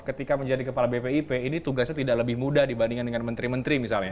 ketika menjadi kepala bpip ini tugasnya tidak lebih mudah dibandingkan dengan menteri menteri misalnya